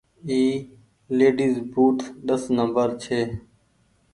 اي ليڊيز بوٽ ڏس نمبر ڇي۔